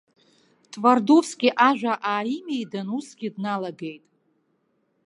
Твардовски ажәа ааимидан, усгьы дналагеит.